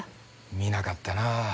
見なかったな。